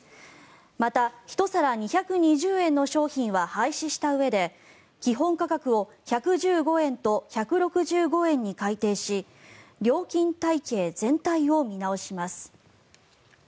また、１皿２２０円の商品は廃止したうえで、基本価格を１１５円と１６５円に改定し料金体系全体を見直します。